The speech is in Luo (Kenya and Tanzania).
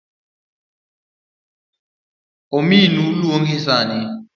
Ominu luongi sani.